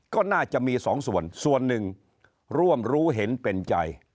ก็น่าจะมีสองส่วนส่วนหนึ่งร่วมรู้เห็นเป็นใจ